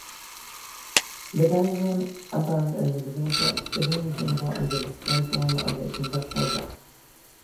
The diagram above is an example of the "display form" for a conceptual graph.